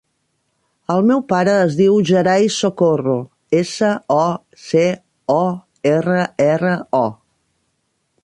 El meu pare es diu Gerai Socorro: essa, o, ce, o, erra, erra, o.